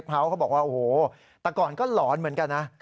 เขาบอกว่าโอ้โหแต่ก่อนก็หลอนเหมือนกันนะ